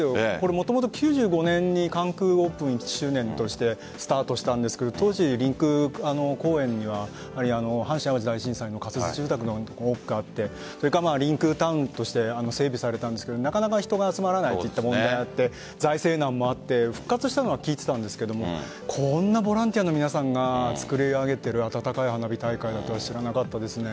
もともと９５年に関空オープン１周年としてスタートしたんですが当時、りんくう公園は阪神淡路大震災の仮設住宅があってりんくうタウンとして整備されたなかなか人が集まらないという問題があって財政難もあって復活したのは聞いていたんですがこんなボランティアの皆さんが作り上げている温かい花火大会だとは知らなかったですね。